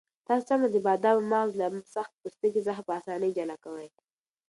تاسو څنګه د بادامو مغز له سخت پوستکي څخه په اسانۍ جلا کوئ؟